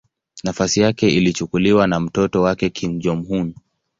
Nafasi yake ilichukuliwa na mtoto wake Kim Jong-un.